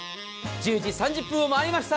１０時３０分を回りました。